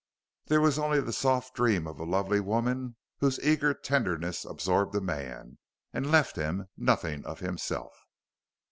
There was only the soft dream of a lovely woman whose eager tenderness absorbed a man ... and left him nothing of himself.